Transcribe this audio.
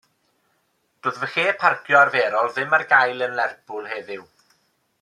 Doedd fy lle parcio arferol ddim ar gael yn Lerpwl heddiw.